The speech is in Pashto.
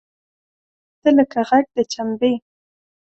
تۀ لکه غږ د چمبې !